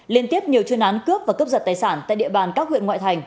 liên tiếp nhiều chuyên án cướp và cướp giật tài sản tại địa bàn các huyện ngoại thành